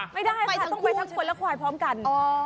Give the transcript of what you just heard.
ไม่ได้ค่ะต้องไปทั้งคนและควายพร้อมกัน